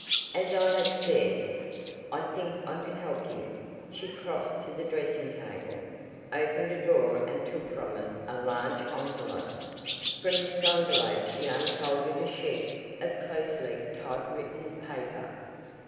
"As I have said, I think I can help you." She crossed to the dressing table, opened a drawer and took from it a large envelope. From this envelope she unfolded a sheet of closely typewritten paper.